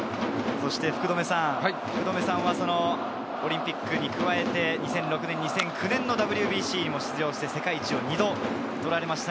福留さんはオリンピックに加えて２００６年、２００９年のＷＢＣに出場して世界一を２度取られました。